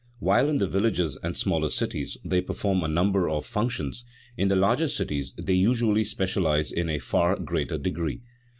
While in the villages and smaller cities they perform a number of functions, in the larger cities they usually specialize in a far greater degree.